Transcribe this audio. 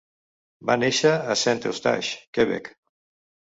Va néixer a Saint-Eustache, Quebec.